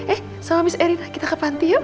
eh sama habis erina kita ke panti yuk